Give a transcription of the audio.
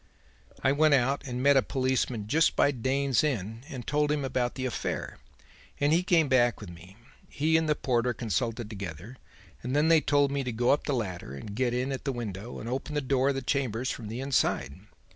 "'I went out and met a policeman just by Dane's Inn and told him about the affair, and he came back with me. He and the porter consulted together, and then they told me to go up the ladder and get in at the window and open the door of the chambers from the inside.